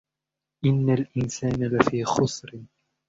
إن الإنسان لفي خسر